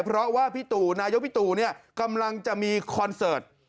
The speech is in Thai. เพราะว่าพี่ตู่นายกพี่ตู่เนี่ยกำลังจะมีคอนเสิร์ต